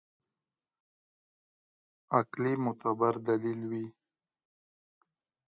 عقلي معتبر دلیل وي.